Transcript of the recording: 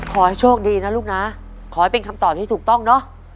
ขอให้โชคดีนะลูกนะขอให้เป็นคำตอบที่ถูกต้องเนอะ